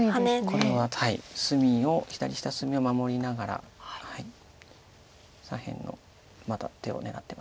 これは隅を左下隅を守りながら左辺のまだ手を狙ってます。